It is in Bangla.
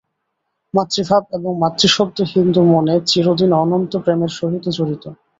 মাতৃ-ভাব এবং মাতৃ-শব্দ হিন্দু-মনে চিরদিন অনন্ত প্রেমের সহিত জড়িত।